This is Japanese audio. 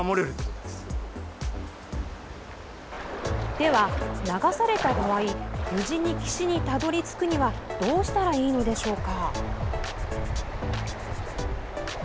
では、流された場合無事に岸にたどり着くにはどうしたらいいのでしょうか。